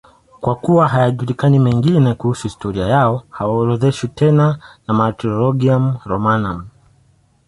Kwa kuwa hayajulikani mengine kuhusu historia yao, hawaorodheshwi tena na Martyrologium Romanum.